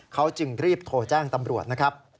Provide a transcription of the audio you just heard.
เขาจึงรีบโทรแจ้งตำรวจนะครับ